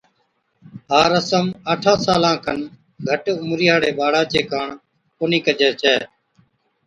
ھا رسم آٺان سالان کن گھٽ عمرِي ھاڙي ٻاڙا چي ڪاڻ ڪونھِي ڪجَي ڇَي